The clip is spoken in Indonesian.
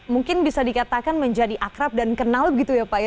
mungkin bisa dikatakan menjadi akrab dan kenal begitu ya pak ya